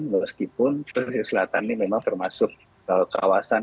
meskipun pesisir selatan ini memang termasuk kawasan